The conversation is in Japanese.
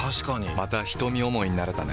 また瞳思いになれたね。